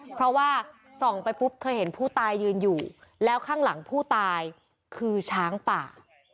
เพราะว่าส่องไปปุ๊บเธอเห็นผู้ตายยืนอยู่แล้วข้างหลังผู้ตายคือช้างป่า